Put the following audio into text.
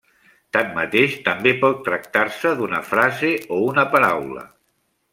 Tanmateix, també pot tractar-se d'una frase o una paraula.